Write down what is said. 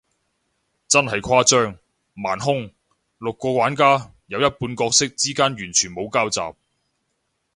真係誇張，盲兇，六個玩家，有一半角色之間完全冇交集，